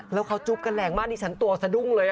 แล้วเขาจุ๊บกันแรงมากดิฉันตัวสะดุ้งเลย